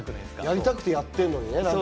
やりたくてやってるのにね。